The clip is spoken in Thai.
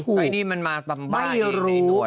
อันนี้มันมาตำบ้ายไม่รู้